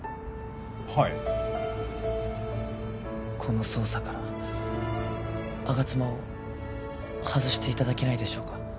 はいこの捜査から吾妻を外していただけないでしょうか